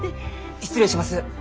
失礼します。